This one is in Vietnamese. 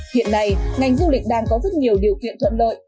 hiện nay ngành du lịch đang có rất nhiều điều kiện thuận lợi